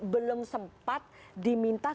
belum sempat diminta